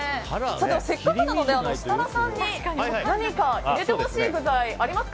せっかくなので設楽さんに入れてほしい具材ありますか？